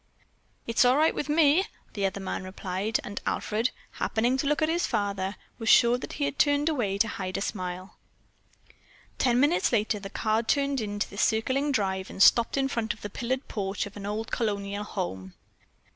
"It's all right with me," the other man replied, and Alfred, happening to look at his father, was sure that he had turned away to hide a smile. Ten minutes later the car turned into the circling drive and stopped in front of the pillared porch of an old colonial home.